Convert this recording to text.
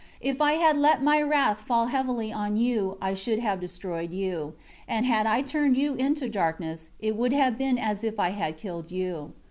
8 If I had let My wrath fall heavily on you, I should have destroyed you; and had I turned you into darkness, it would have been as if I had killed you.